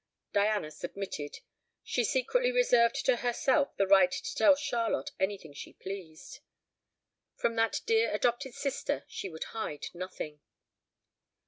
Diana submitted. She secretly reserved to herself the right to tell Charlotte anything she pleased. From that dear adopted sister she would hide nothing.